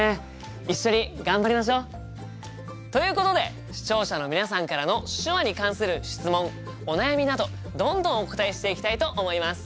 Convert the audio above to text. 一緒に頑張りましょう！ということで視聴者の皆さんからの手話に関する質問お悩みなどどんどんお答えしていきたいと思います。